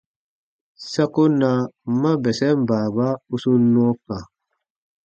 Sa ko na ma bɛsɛn baaba u sun nɔɔ kã.